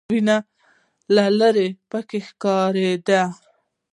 وینه له ليرې پکې ښکارېده.